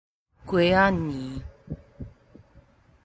瓜仔哖